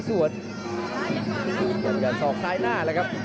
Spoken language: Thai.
ส่วนหน้านั้นอยู่ที่เลด้านะครับ